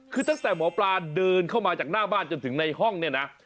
คือตั้งแต่หมอปลาเดินเข้ามาจากหน้าบ้านจนถึงในห้องเนี่ยนะ